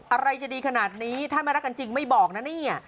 อะไรจะดีขนาดนี้ถ้าไม่รักกันจริงไม่บอกนะนี่